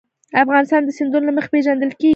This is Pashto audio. افغانستان د سیندونه له مخې پېژندل کېږي.